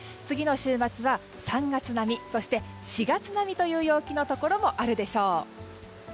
次の週末は３月並みそして４月並みという陽気のところもあるでしょう。